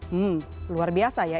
hmm luar biasa ya